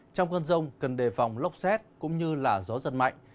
trong cơn rông cần đề phòng lốc xét cũng như gió giật mạnh